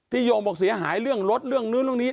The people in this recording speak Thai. โยมบอกเสียหายเรื่องรถเรื่องนู้นเรื่องนี้